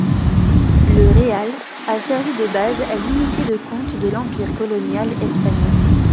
Le réal a servi de base à l'unité de compte de l'Empire colonial espagnol.